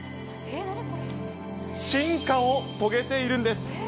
進化を遂げているんです。